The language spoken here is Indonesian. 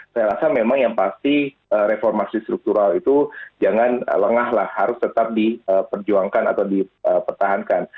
saya rasa memang yang pasti reformasi struktural itu jangan lengah lah harus tetap diperjuangkan atau dipertahankan